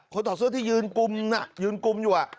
ถอดเสื้อที่ยืนกุมน่ะยืนกุมอยู่